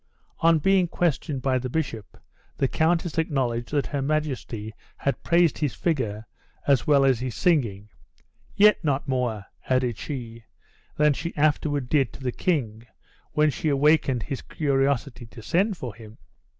On being questioned by the bishop, the countess acknowledged that her majesty had praised his figure as well as his singing; "yet not more," added she, "than she afterward did to the king when she awakened his curiosity to send for him."